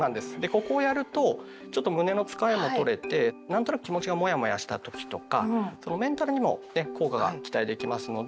ここをやるとちょっと胸のつかえも取れて何となく気持ちがモヤモヤした時とかそのメンタルにもね効果が期待できますので。